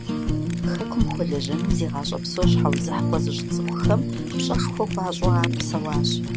Хэкум хуэлэжьэным зи гъащӀэ псор щхьэузыхь хуэзыщӀ цӀыхухэм пщӀэшхуэ хуащӀу ар псэуащ.